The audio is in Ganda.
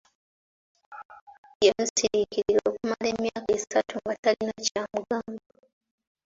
Yamusiriikirira okumala emyaka esatu nga talina ky’amugamba.